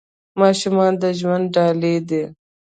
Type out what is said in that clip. ماشومان د ژوند ډالۍ دي .